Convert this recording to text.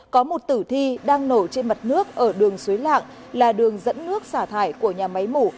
có một tử thi đang nổ trên mặt nước ở đường suối lạng là đường dẫn nước xả thải của nhà máy mủ